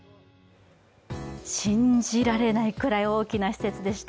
信じられないくらい大きな施設でした。